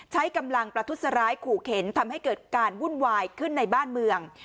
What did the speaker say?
ใช้กำลังประทุษร้ายขู่เข็นทำให้เกิดการวุ่นวายขึ้นในบ้านเมือง